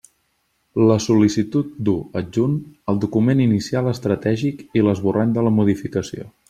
La sol·licitud du, adjunt, el Document Inicial Estratègic i l'esborrany de la Modificació.